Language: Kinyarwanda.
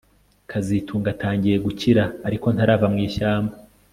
kazitunga atangiye gukira ariko ntarava mu ishyamba